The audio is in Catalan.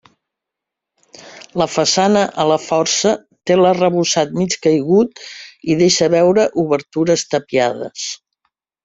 La façana a la Força té l'arrebossat mig caigut i deixa veure obertures tapiades.